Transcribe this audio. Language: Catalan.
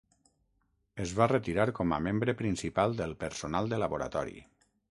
Es va retirar com a membre principal del personal de laboratori.